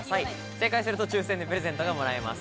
正解すると抽選でプレゼントがもらえます。